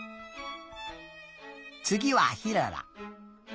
つぎはひらら。